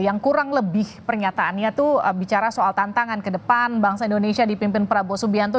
yang kurang lebih pernyataannya itu bicara soal tantangan ke depan bangsa indonesia dipimpin prabowo subianto